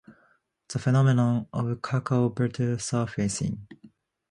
The phenomenon of cocoa butter surfacing.